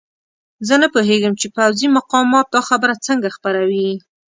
زه نه پوهېږم چې پوځي مقامات دا خبره څنګه خپروي.